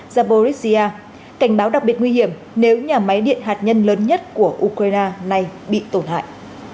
jaborisia cảnh báo đặc biệt nguy hiểm nếu nhà máy điện hạt nhân lớn nhất của ukraine này bị tổn hại